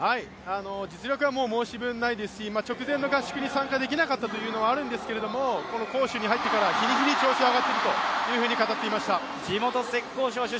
実力は申し分ないですし、直前の合宿に参加できなかったというのはありますが杭州に入ってから日に日に状態が上がっていると語っていました。